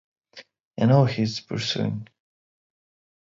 I know he's pursuing.